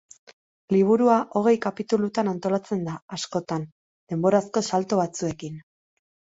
Liburua hogei kapitulutan antolatzen da, askotan, denborazko salto batzuekin.